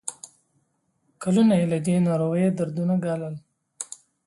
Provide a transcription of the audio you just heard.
کلونه یې له دې ناروغۍ دردونه ګالل.